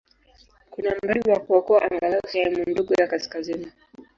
Kuna mradi wa kuokoa angalau sehemu ndogo ya kaskazini.